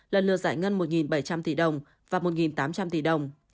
lần lượt giải ngân một bảy trăm linh tỷ đồng và một tám trăm linh tỷ đồng